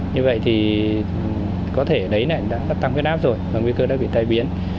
như vậy thì có thể đấy này nó tăng cái nắp